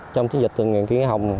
trong chiến dịch tình nguyện kỳ nghỉ hồng